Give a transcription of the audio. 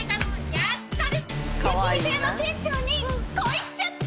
焼き肉屋の店長に恋しちゃった！